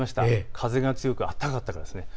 風が強く暖かかったからです。